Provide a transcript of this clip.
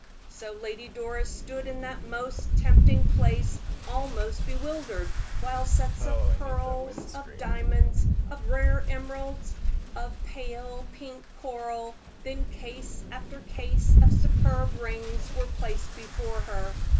So Lady Doris stood in that most tempting place, almost bewildered, while sets of pearls, of diamonds, of rare emeralds, of pale pink coral, then case after case of superb rings, were placed before her.